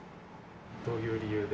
どういう理由で？